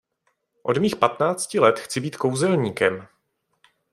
Od mých patnácti let chci být kouzelníkem.